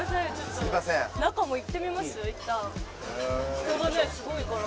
人がねすごいから。